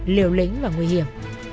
liệu lĩnh và nguy hiểm